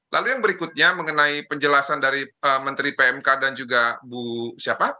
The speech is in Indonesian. lalu yang berikutnya mengenai penjelasan dari menteri pmk dan juga bu siapa